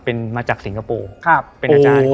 เป็นมาจากสิงคโปร์เป็นอาจารย์